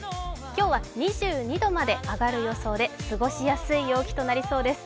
今日は２２度まで上がる予想で過ごしやすい陽気となりそうです。